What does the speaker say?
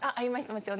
もちろん。